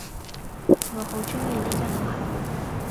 我好喜歡呢間學校